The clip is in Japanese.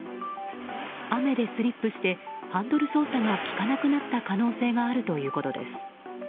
雨でスリップしてハンドル操作が利かなくなった可能性があるということです。